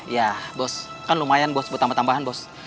ya bos kan lumayan bos buat tambahan tambahan bos